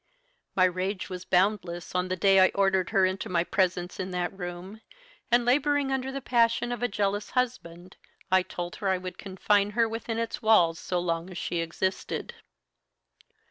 "My rage was boundless on the day I ordered her into my presence in that room, and, labouring under the passion of a jealous husband, I told her I would confine her within its walls so long as she existed.